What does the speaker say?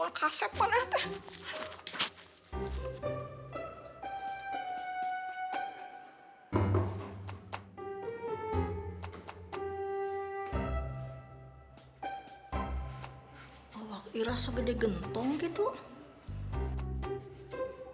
usti diman emang awak kira tuh segede gentong gitu diman